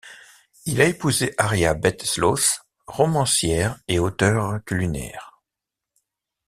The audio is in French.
Il a épousé Aria Beth Sloss, romancière et auteure culinaire.